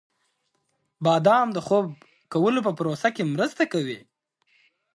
• بادام د خوب کولو په پروسه کې مرسته کوي.